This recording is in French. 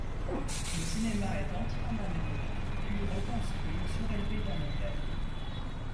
Le cinéma est entièrement démoli, puis reconstruit, surélevé d'un hôtel.